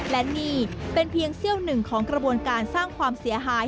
และนี่เป็นเพียงเซี่ยวหนึ่งของกระบวนการสร้างความเสียหาย